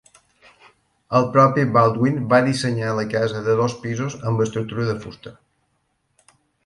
El propi Baldwin va dissenyar la casa de dos pisos amb estructura de fusta.